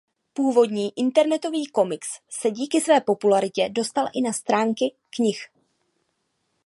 Původní internetový komiks se díky své popularitě dostal i na stránky knih.